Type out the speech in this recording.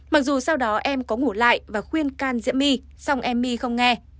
mặc dù sau đó em có ngủ lại và khuyên can diễm my xong em my không nghe